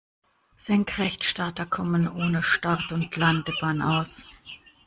Senkrechtstarter kommen ohne Start- und Landebahn aus.